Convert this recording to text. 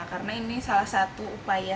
karena ini salah satu upaya